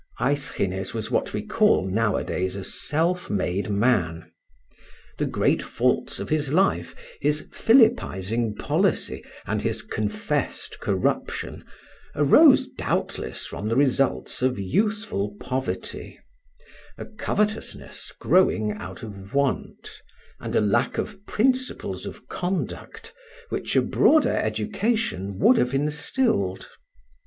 Aeschines was what we call nowadays a self made man. The great faults of his life, his philippizing policy and his confessed corruption, arose, doubtless, from the results of youthful poverty: a covetousness growing out of want, and a lack of principles of conduct which a broader education would have instilled.